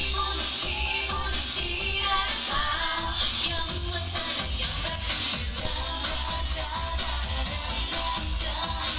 ฉันไม่รับฝันแต่ยังจะฟังคำตำนาน